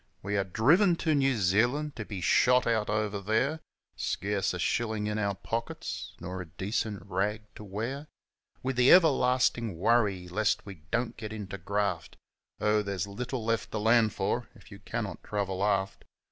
We are driven to New Zealand to be shot out over there, Scarce a shillin' in our pockets, nor a decent rag to wear, With the everlastin' worry lest we don't get into graft Oh, there's little left to land for if you cannot travel aft.